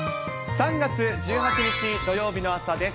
３月１８日土曜日の朝です。